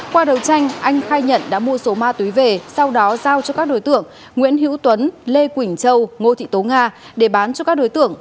qua đấu tranh anh khai nhận đã mua số ma túy về sau đó giao cho các đối tượng nguyễn hữu tuấn lê quỳnh châu ngô thị tố nga để bán cho các đối tượng